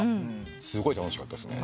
すごい楽しかったですね。